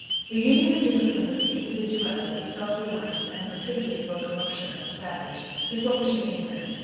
The union of discipline with the individuality, self reliance, and rapidity of locomotion of the savage is what we should aim at.